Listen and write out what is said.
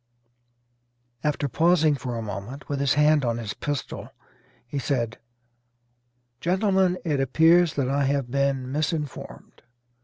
After pausing for a moment, with his hand on his pistol, he said, "Gentlemen, it appears that I have been misinformed.